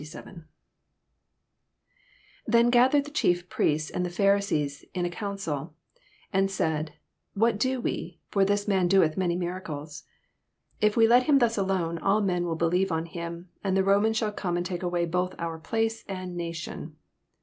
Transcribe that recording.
47—67. 47 Then gathered the chief priests •nd the Pharisees a coancil, and said, What do wo 7 for this man doeth many miracles. 48 If we let him thns alone, all men will believe on him : and the Romans shall come and take awaj both our place and nation.